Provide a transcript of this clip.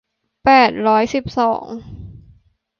แปดร้อยสิบสอง